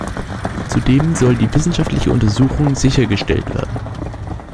Zudem soll die wissenschaftliche Untersuchung sichergestellt werden.